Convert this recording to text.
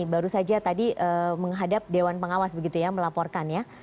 baru saja tadi menghadap dewan pengawas melaporkan ya